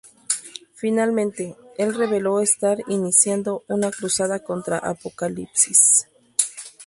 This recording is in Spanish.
Finalmente, el reveló estar iniciando una cruzada contra Apocalipsis.